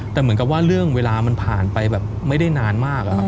แต่เหมือนกับว่าเรื่องเวลามันผ่านไปแบบไม่ได้นานมากอะครับ